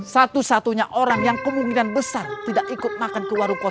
satu satunya orang yang kemungkinan besar tidak ikut makan ke warung kosong